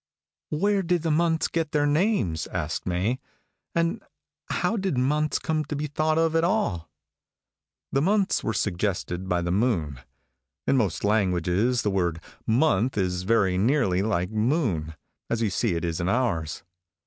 "Where did the months get their names?" asked May, "and how did months come to be thought of at all?" "The months were suggested by the moon. In most languages the word month is very nearly like moon, as you see it is in ours.